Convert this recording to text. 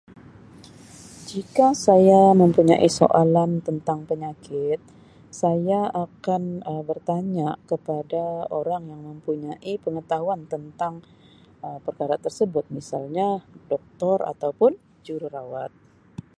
Jika saya mempunyai soalan tentang penyakit saya akan Um bertanya kepada orang yang mempunyai pengetahuan tentang Um perkara tersebut misalnya Doktor ataupun Jururawat.